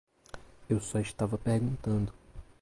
Eu só estava perguntando.